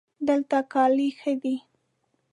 دلته کالي ښه دي